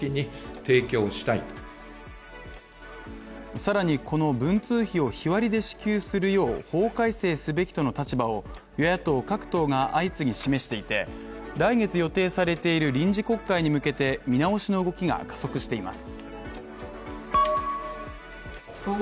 さらにこの文通費を日割りで支給するよう法改正すべきとの立場を与野党各党が相次ぎ示していて、来月予定されている臨時国会に向けて見直しの動きが加速しています。